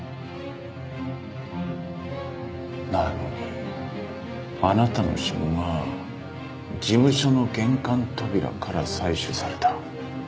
なのにあなたの指紋が事務所の玄関扉から採取された。